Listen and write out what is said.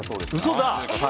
嘘だ！